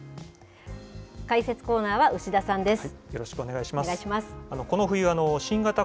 解説コーナーは牛田さんです。